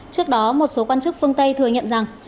trước đó một số quan chức phương tây thừa nhận rằng